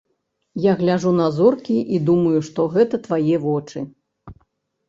Я гляджу на зоркі і думаю, што гэта твае вочы.